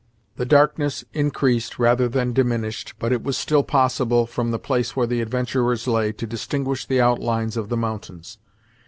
The darkness increased rather than diminished, but it was still possible, from the place where the adventurers lay, to distinguish the outlines of the mountains.